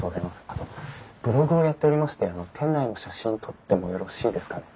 あとブログをやっておりまして店内の写真撮ってもよろしいですかね？